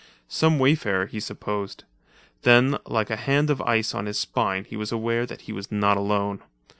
Some wayfarer, he supposed. Then like a hand of ice on his spine he was aware that he was not alone.